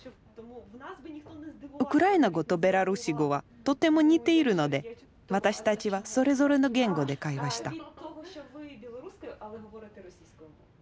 ウクライナ語とベラルーシ語はとても似ているので私たちはそれぞれの言語で会話した。